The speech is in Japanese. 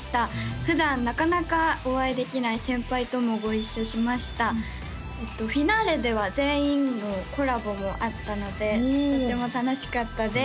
普段なかなかお会いできない先輩ともご一緒しましたフィナーレでは全員のコラボもあったのでとても楽しかったです